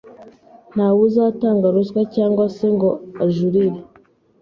nta we uzatanga ruswa cyangwa se ngo ajurire